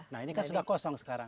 nah ini kan sudah kosong sekarang